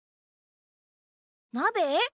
なべ？